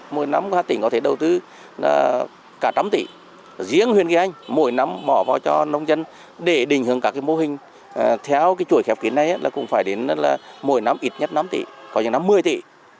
mỗi năm hà tĩnh có thể đầu tư cả trăm tỷ riêng huyền kỳ ánh mỗi năm mở vào cho nông dân để đình hưởng các cái mô hình theo cái chuỗi khép ký này là cũng phải đến mỗi năm ít nhất năm tỷ có những năm một mươi tỷ